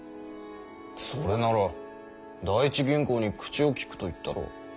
それなら第一銀行に口をきくと言ったろう。